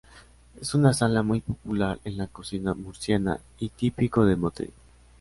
Es una salsa muy popular en la cocina murciana y típico de Motril.